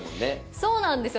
そうなんですよ